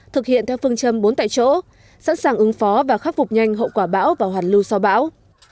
thực hiện theo phương châm bốn tại chỗ sẵn sàng ứng phó và khắc phục nhanh hậu quả bão và hoàn lưu sau bão